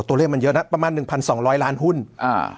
ตัวเลขมันเยอะนะประมาณหนึ่งพันสองร้อยล้านหุ้นอ่า